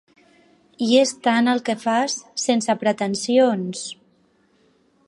I és tant el que fas, sense pretensions!